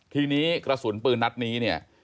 ทีนี้กระสุนปืนนัดนี้เนี่ย